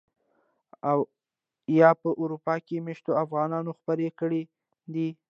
او يا په اروپا کې مېشتو افغانانو خپرې کړي دي.